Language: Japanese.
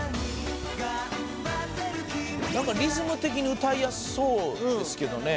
何かリズム的に歌いやすそうですけどね